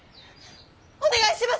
お願いします！